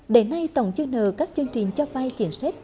để nay tổng chương nợ các chương trình cho vai chiến sách